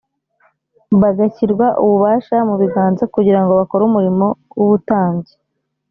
bagashyirwa ububasha mu biganza kugira ngo bakore umurimo w’ubutambyi